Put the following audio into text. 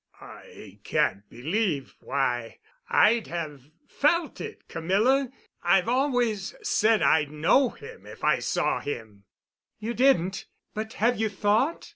"I can't believe—why, I'd have felt it—Camilla. I've always said I'd know him if I saw him." "You didn't—but have you thought?